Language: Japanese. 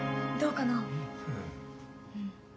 どうかな？